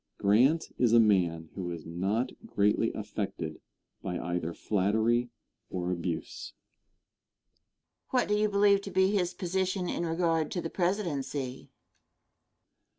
Grant is a man who is not greatly affected by either flattery or abuse. Question. What do you believe to be his position in regard to the presidency?